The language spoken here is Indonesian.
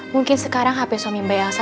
mungkin sekarang hp suami mbak yangsa